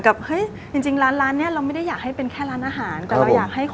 และจริงผลไม้และผักพวกนี้คือมันไม่มีที่ไว้